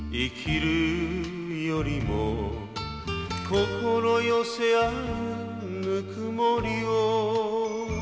「心寄せ合うぬくもりを」